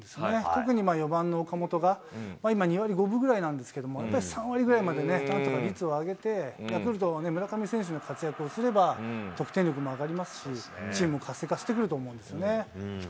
特に４番の岡本が今、２割５分ぐらいなんですけど、やっぱり３割ぐらいまでなんとか率を上げて、ヤクルトの村上選手のような活躍をすれば、得点力も上がりますし、チームも活性化してくると思うんですよね。